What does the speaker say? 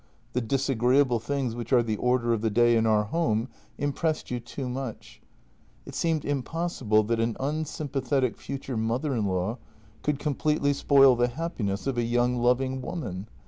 The disagreeable things which are the order of the day in our home impressed you too much; it seemed impossible that an unsympathetic future mother in law could completely spoil the happiness of a young loving woman.